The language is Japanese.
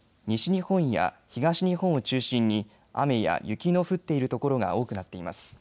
西日本や東日本を中心に雨や雪の降っている所が多くなっています。